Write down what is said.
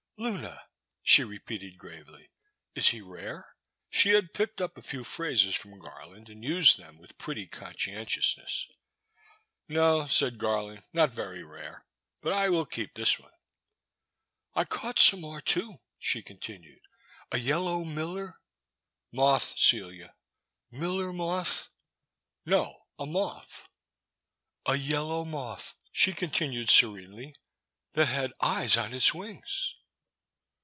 *' Luna," she repeated gravely, *' is he rare ?" She had picked up a few phrases from Garland and used them with pretty conscientiousness. No," said Garland, not very rare — ^but I will keep this one." I caught some more, too," she continued, a yellow miller —"*' Moth, CeUa." '' Miller moth—" z6 242 The Bay's Sister. *' No— a moth— "A yellow moth," she continued serenely, '' that had eyes on its wings."